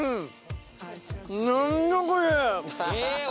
うん！